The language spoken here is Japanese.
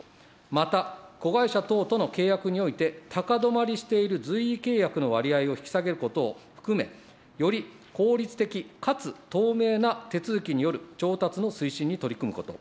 また、子会社等との契約において、高止まりしている随意契約の割合を引き下げることを含め、より効率的かつ透明な手続きによる調達の推進に取り組むこと。